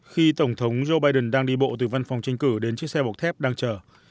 khi tổng thống joe biden đang đi bộ từ văn phòng tranh cử đến chiếc xe bọc thép đang chờ